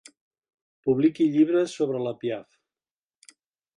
Publiqui llibres sobre la Piaff.